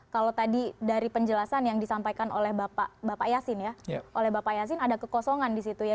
kalau tadi dari penjelasan yang disampaikan oleh bapak yasin ya oleh bapak yasin ada kekosongan di situ ya